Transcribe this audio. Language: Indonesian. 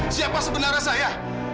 siapa sebenarnya saya